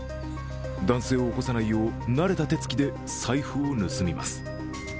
男性を起こさないよう、慣れた手つきで財布を盗みます。